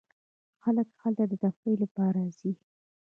خلک هلته د تفریح لپاره ځي.